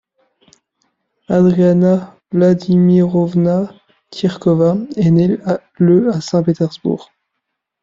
Ariadna Vladimirovna Tyrkova est née le à Saint-Pétersbourg.